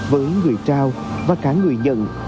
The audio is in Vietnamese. với người trao và cả người nhận